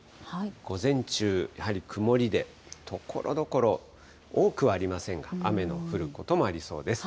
午前中、やはり曇りで、ところどころ、多くはありませんが、雨の降ることもありそうです。